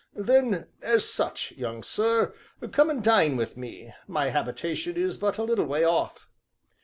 "Then as such, young sir, come and dine with me, my habitation is but a little way off."